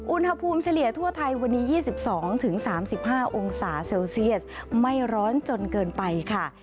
เฉลี่ยทั่วไทยวันนี้๒๒๓๕องศาเซลเซียสไม่ร้อนจนเกินไปค่ะ